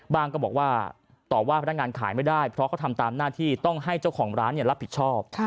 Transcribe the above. ก็บอกว่าต่อว่าพนักงานขายไม่ได้เพราะเขาทำตามหน้าที่ต้องให้เจ้าของร้านรับผิดชอบ